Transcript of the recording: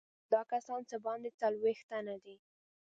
دا کسان څه باندې څلوېښت تنه دي.